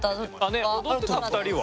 ね踊ってた２人は？